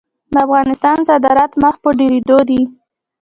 د افغانستان صادرات مخ په ډیریدو دي